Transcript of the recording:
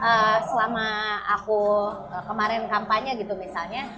jadi selama aku kemarin kampanye gitu misalnya